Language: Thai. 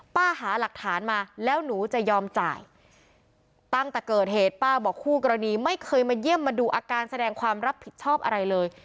หาหลักฐานมาแล้วหนูจะยอมจ่ายตั้งแต่เกิดเหตุป้าบอกคู่กรณีไม่เคยมาเยี่ยมมาดูอาการแสดงความรับผิดชอบอะไรเลย